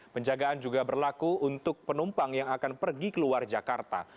penjagaan juga berlaku untuk penumpang yang akan pergi keluar jakarta